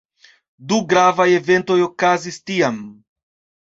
Du gravaj eventoj okazis tiam.